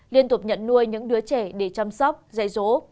liên tục nhận nuôi những đứa trẻ để chăm sóc dạy dỗ